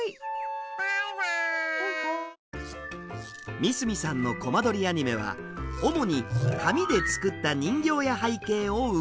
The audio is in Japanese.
三角さんのコマ撮りアニメは主に紙で作った人形や背景を動かしていくもの。